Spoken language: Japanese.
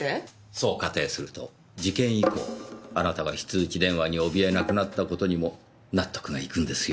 そう仮定すると事件以降あなたが非通知電話に怯えなくなった事にも納得がいくんですよ。